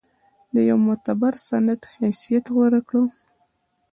د یوه معتبر سند حیثیت غوره کړ.